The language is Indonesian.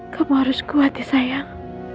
kamu harus kuat ya sayang